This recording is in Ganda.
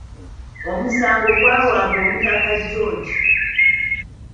Omusango gwawaabwa Omutaka George.